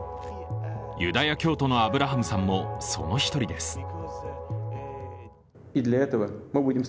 ユダヤ教徒のアブラハムさんもその１人です。